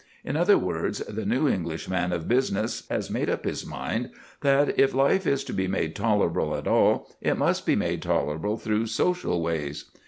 In other words, the new English man of business has made up his mind that, if life is to be made tolerable at all, it must be made tolerable through social ways.